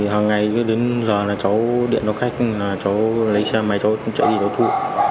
hằng ngày đến giờ là cháu điện cho khách cháu lấy xe máy cháu chạy đi đấu thu